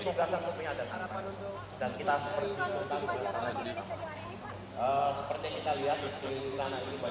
seperti yang kita lihat di istana